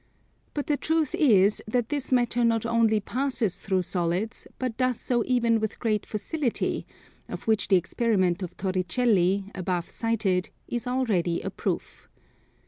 But the truth is that this matter not only passes through solids, but does so even with great facility; of which the experiment of Torricelli, above cited, is already a proof.